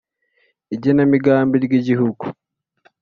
Igenamigambi ry igihugu